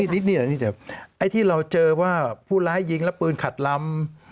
นิดเดียวไอ้ที่เราเจอว่าผู้ร้ายยิงแล้วปืนขัดลำ